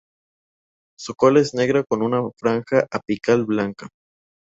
Su cola es negra con una franja apical blanca.